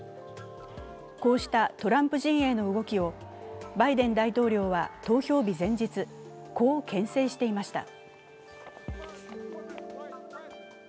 こうしたトランプ陣営の動きをバイデン大統領は投票日前日、こうけん制していました。